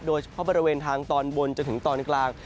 โดยเฉพาะบริเวณทางตอนบนจนถึงตอนกลาง